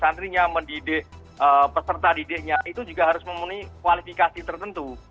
santrinya mendidik peserta didiknya itu juga harus memenuhi kualifikasi tertentu